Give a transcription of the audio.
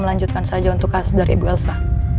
lanjutkan saja untuk kasus dari ibu elsa